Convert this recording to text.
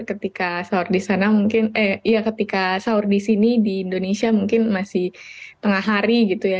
ketika sahur di sana mungkin eh iya ketika sahur di sini di indonesia mungkin masih tengah hari gitu ya